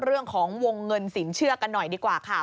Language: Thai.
เรื่องของวงเงินสินเชื่อกันหน่อยดีกว่าค่ะ